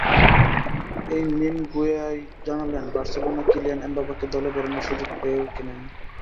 এই মিনগুয়েয়াই জানালেন, Barcelona Kylian এমবাপ্পেকে দলে ভেড়ানোর সুযোগ পেয়েও কেনেনি।